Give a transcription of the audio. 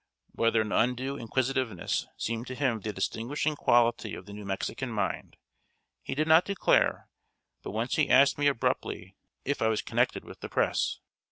Whether an undue inquisitiveness seemed to him the distinguishing quality of the New Mexican mind, he did not declare; but once he asked me abruptly if I was connected with the press?